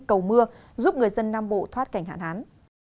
cầu mưa giúp người dân nam bộ thoát cảnh hạn hán